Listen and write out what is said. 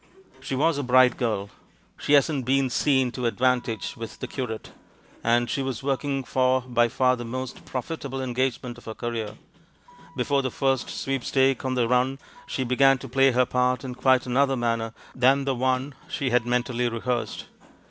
She was a bright girl — she hasn't been seen to advantage with the curate — and she was working for by far the most profitable engagement of her career ; before the first sweepstake on the run she began to play her part in quite another manner than the one she had mentally rehearsed.